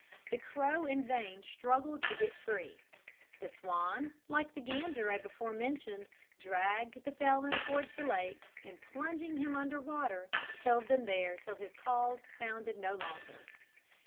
The crow in vain struggled to get free. The swan, like the gander I before mentioned, dragged the felon towards the lake, and plunging him under water, held him there till his caws sounded no longer.